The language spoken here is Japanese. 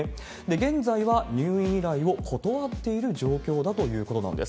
現在は、入院依頼を断っている状況だということなんです。